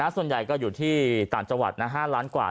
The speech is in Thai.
ส่วนใหญ่ก็อยู่ที่ต่างจังหวัด๕ล้านกว่า